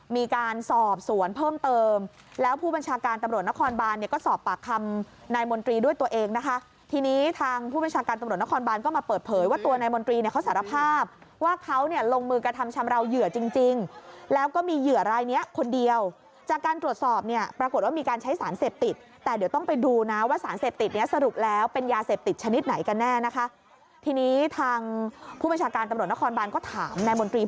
มีการสอบสวนเพิ่มเติมแล้วผู้บัญชาการตำรวจนครบานเนี่ยก็สอบปากคำนายมนตรีด้วยตัวเองนะคะทีนี้ทางผู้บัญชาการตำรวจนครบานก็มาเปิดเผยว่าตัวนายมนตรีเนี่ยเขาสารภาพว่าเขาเนี่ยลงมือกระทำชำราวเหยื่อจริงแล้วก็มีเหยื่ออะไรเนี่ยคนเดียวจากการตรวจสอบเนี่ยปรากฏว่ามีการใช้สารเสพติดแต่เดี๋ยวต้องไป